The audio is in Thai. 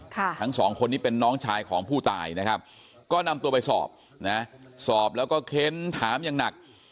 ทั้งสองคนนี้เป็นน้องชายของผู้ตายนะครับก็นำตัวไปสอบนะสอบแล้วก็เค้นถามอย่างหนัก